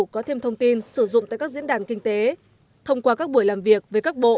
có thêm thông tin sử dụng tại các diễn đàn kinh tế thông qua các buổi làm việc với các bộ